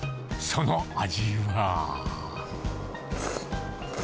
その味は。